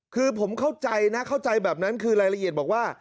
คือผมเข้าใจนะเข้าใจแบบนั้นคือรายละเอียดบอกว่า